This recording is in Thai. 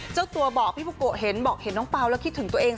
เจ้าตัวบอกพี่บุโกะเห็นบอกเห็นน้องเปล่าแล้วคิดถึงตัวเอง